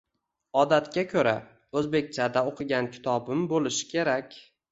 Odatga koʻra, oʻzbekchada oʻqigan kitobim boʻlishi kerak